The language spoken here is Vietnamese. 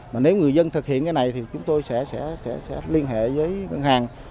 mà nếu người dân thực hiện cái này thì chúng tôi sẽ liên hệ với ngân hàng